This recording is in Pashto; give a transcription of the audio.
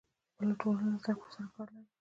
بله ټولنه له زده کړو سره کار لري.